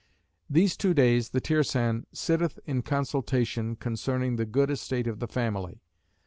These two days the Tirsan sitteth in consultation concerning the good estate of the family.